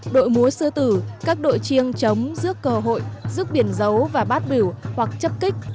đội múa sư tử các đội chiêng chống rước cơ hội rước biển giấu và bát biểu hoặc chấp kích